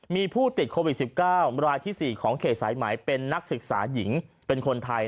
มีผู้ติดโควิด๑๙รายที่๔ของเขตสายไหมเป็นนักศึกษาหญิงเป็นคนไทย